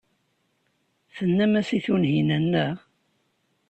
Tennam-as i Tunhinan, naɣ?